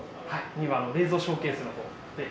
２位はあの冷蔵ショーケースの方で。